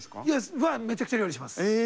めちゃくちゃ料理します。え！